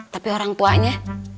tapi orang tuanya